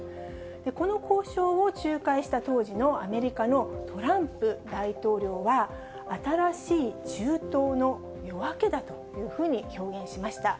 この交渉を仲介した当時のアメリカのトランプ大統領は新しい中東の夜明けだというふうに表現しました。